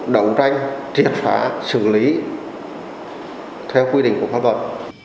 đấu tranh triệt phá xử lý theo quy định của pháp luật